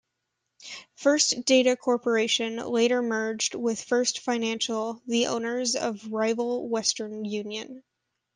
First Data Corporation later merged with First Financial, the owners of rival Western Union.